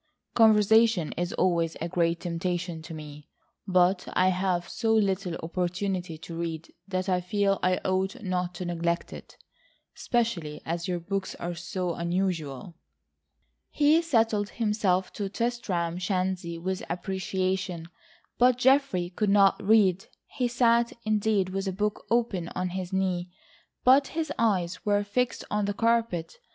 Conversation is always a great temptation to me, but I have so little opportunity to read that I feel I ought not to neglect it,—especially as your books are so unusual." He settled himself to Tristram Shandy with appreciation, but Geoffrey could not read. He sat, indeed, with a book open on his knee, but his eyes were fixed on the carpet.